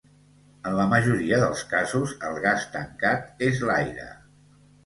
En la majoria dels casos el gas tancat és l'aire.